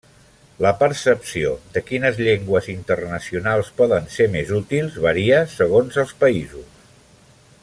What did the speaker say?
La percepció de quines llengües internacionals poden ser més útils varia segons els països.